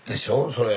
それ。